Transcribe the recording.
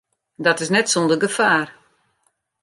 Dat is net sûnder gefaar.